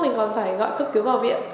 mình còn phải gọi cấp cứu vào viện